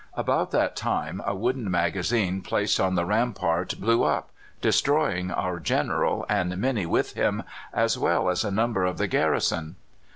About that time a wooden magazine placed on the rampart blew up, destroying our General and many with him, as well as a number of the garrison.